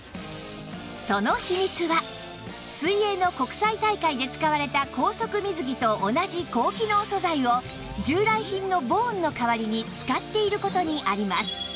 その秘密は水泳の国際大会で使われた高速水着と同じ高機能素材を従来品のボーンの代わりに使っている事にあります